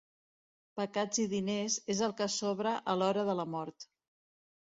Pecats i diners és el que sobra a l'hora de la mort.